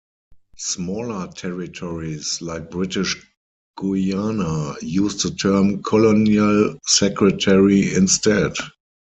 Smaller territories, like British Guiana, used the term Colonial Secretary instead.